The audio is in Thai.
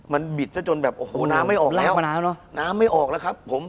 มันบิดซะจนแบบโอ้โหน้ำไม่ออกแล้วเนอะน้ำไม่ออกแล้วครับผม